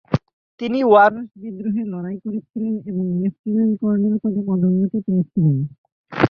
তিনি ওয়ারশ বিদ্রোহে লড়াই করেছিলেন এবং লেফটেন্যান্ট কর্নেল পদে পদোন্নতি পেয়েছিলেন।